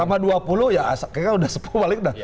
sama dua puluh ya kayaknya udah sepuh paling